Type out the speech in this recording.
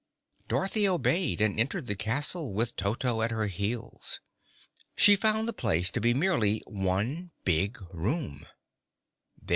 Dorothy obeyed and entered the castle, with Toto at her heels. She found the place to be merely one big room.